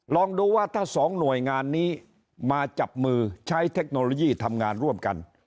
ลองดูว่าถ้าสองหน่วยงานนี้มาจับมือใช้เทคโนโลยีทำงานร่วมกัน